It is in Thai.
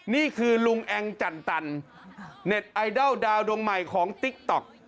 นี่คือลุงแองจันตันเน็ตไอดอลดาวดวงใหม่ของติ๊กต๊อก